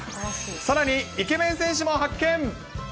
さらにイケメン選手も発見。